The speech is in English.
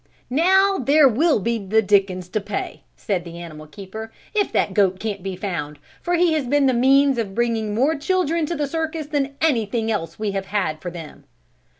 "Now there will be the dickens to pay," said the animal keeper, "if that goat can't be found for he has been the means of bringing more children to the circus than anything else we have had for them."